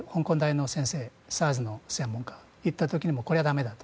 ＳＡＲＳの専門家が行った時にもこりゃ駄目だと。